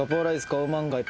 カオマンガイ。